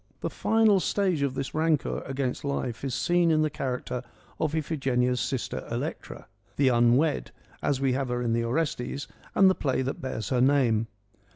The final stage of this rancour against life is seen in the character of Iphigenia's sister Electra —' the unwed '— as we have her in the Orestes and the play that bears her name.